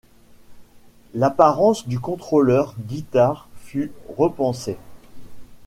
L'apparence du contrôleur guitare fut repensée.